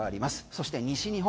そして西日本